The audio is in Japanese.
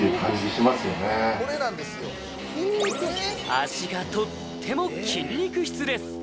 足がとっても筋肉質です